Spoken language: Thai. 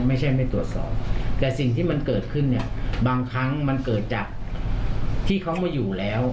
ไม่ใช่ไม่ตรวจสอบแต่สิ่งที่มันเกิดขึ้นเนี่ยบางครั้งมันเกิดจากที่เขามาอยู่แล้ว